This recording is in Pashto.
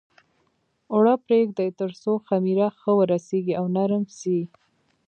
اوړه پرېږدي تر څو خمېره ښه ورسېږي او نرم شي.